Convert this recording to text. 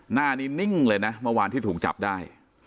หน้านี้นิ่งเลยนะเมื่อวานที่ถูกจับได้